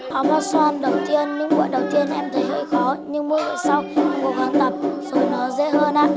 hát xoan đầu tiên những bộ đầu tiên em thấy hơi khó nhưng mỗi bộ sau em cố gắng tập rồi nó dễ hơn á